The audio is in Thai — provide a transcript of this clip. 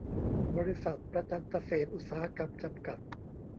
บริษัท ประจันตะเสนอุตสาหกรรม จำกัด